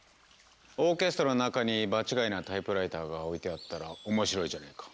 オーケストラの中に場違いなタイプライターが置いてあったら面白いじゃないか。